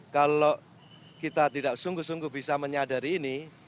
kalau kita tidak sungguh sungguh bisa menyadari ini